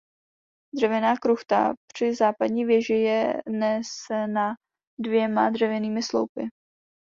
Dřevěná kruchta při západní věži je nesena dvěma dřevěnými sloupy.